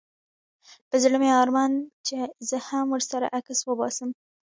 په زړه مي ارمان چي زه هم ورسره عکس وباسم